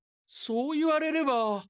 そう言われれば。